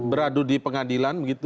beradu di pengadilan begitu